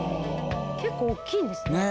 結構大きいんですね。